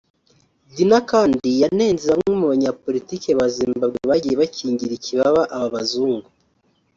Dinha kandi yanenze bamwe mu banyapolitike ba Zimbabwe bagiye bakingira ikibaba aba bazungu